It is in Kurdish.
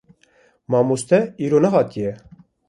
Mamoste îro nehatiye.